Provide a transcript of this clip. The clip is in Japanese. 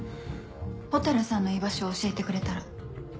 蛍さんの居場所を教えてくれたら。